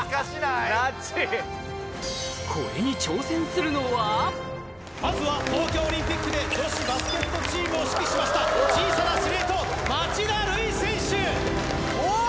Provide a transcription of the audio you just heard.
これに挑戦するのはまずは東京オリンピックで女子バスケットチームを指揮しました小さな司令塔・町田瑠唯選手わーっ！